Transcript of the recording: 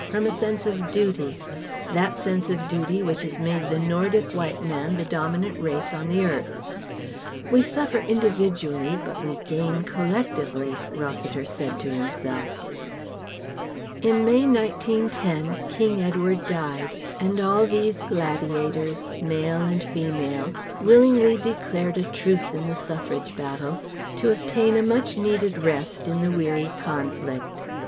from a sense of duty, that sense of duty which has made the Nordic White man the dominant race on the earth. "We suffer individually but we gain collectively," Rossiter said to himself. In May, 1910, King Edward died, and all these gladiators, male and female, willingly declared a Truce in the Suffrage battle, to obtain a much needed rest in the weary conflict.